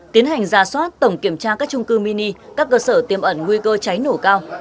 tiến hành ra soát tổng kiểm tra các trung cư mini các cơ sở tiêm ẩn nguy cơ cháy nổ cao